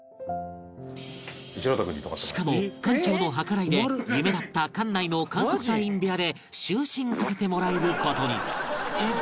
しかも艦長の計らいで夢だった艦内の観測隊員部屋で就寝させてもらえる事に